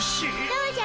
どうじゃ？